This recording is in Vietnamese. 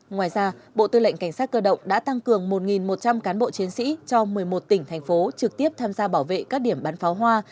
ngoài ra bộ tư lệnh cảnh sát cơ động đã tăng cường một một trăm linh cán bộ chiến sĩ cho một mươi một tỉnh thành phố trực tiếp tham gia bảo vệ các điểm bán pháo hoa